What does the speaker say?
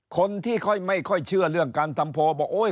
คนที่ไม่ค่อยเชื่อเรื่องการทำโพบอก